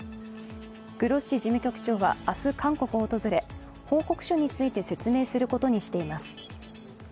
グロッシ事務局長は明日韓国を訪れ、報告書について説明することにしています。